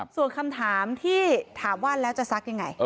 ส่วนคำถามที่ถามว่าแล้วจะซักยังไง